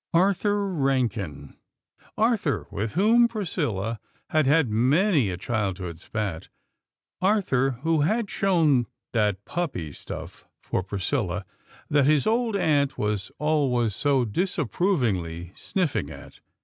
Arthur Rankin! Arthur, with whom Priscilla had had many a childhood spat! Arthur who had shown that "puppy stuff" for Priscilla, that his old aunt was always so disapprovingly sniffing at!